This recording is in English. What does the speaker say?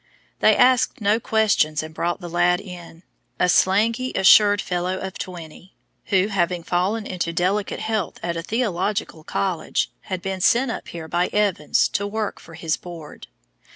They asked no questions, and brought the lad in, a slangy, assured fellow of twenty, who, having fallen into delicate health at a theological college, had been sent up here by Evans to work for his board.